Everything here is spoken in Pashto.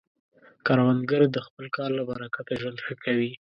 کروندګر د خپل کار له برکته ژوند ښه کوي